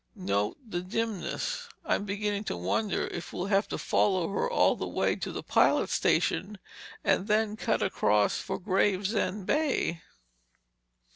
"Not the dimmest. I'm beginning to wonder if we'll have to follow her all the way to the pilot station and then cut across for Gravesend Bay."